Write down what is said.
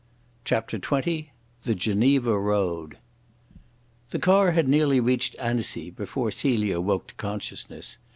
CHAPTER XX THE GENEVA ROAD The car had nearly reached Annecy before Celia woke to consciousness.